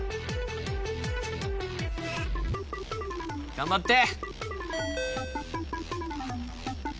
頑張って！